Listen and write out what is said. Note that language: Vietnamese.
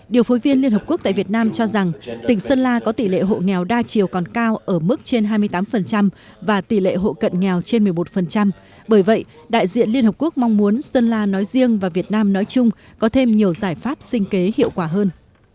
điều phối viên liên hợp quốc tại việt nam cho rằng tỉnh sơn la có tỷ lệ hộ nghèo đa chiều còn cao ở mức trên hai mươi tám và tỷ lệ hộ cận nghèo trên một mươi một bởi vậy đại diện liên hợp quốc mong muốn sơn la nói riêng và việt nam nói chung có thêm nhiều giải pháp sinh kế hiệu quả hơn